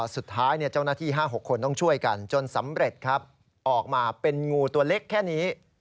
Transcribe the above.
สุดท้ายเนี่ยเจ้านาธีห้าหกคนต้องช่วยกันจนสำเร็จออกมาเป็นงูตัวเล็กแค่นี้